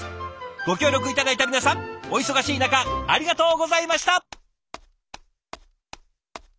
ご協力頂いた皆さんお忙しい中ありがとうございました！